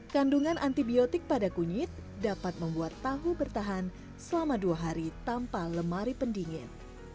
kandungan antibiotik pada kunyit dapat membuat tahu bertahan selama dua hari tanpa lemari pendingin